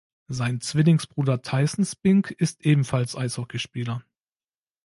Sein Zwillingsbruder Tyson Spink ist ebenfalls Eishockeyspieler.